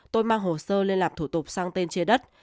tôi mang hồ sơ lên làm thủ tục sang tên chia đất